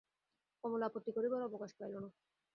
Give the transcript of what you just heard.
কমলা আপত্তি করিবার অবকাশ পাইল না।